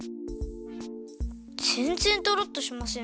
ぜんぜんとろっとしません。